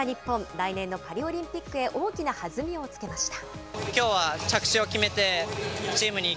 来年のパリオリンピックへ、大きな弾みをつけました。